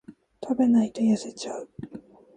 食べないと痩せちゃう